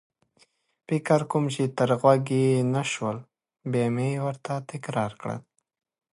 فکر کوم چې تر غوږ يې نه شول، بیا مې ورته تکرار کړل.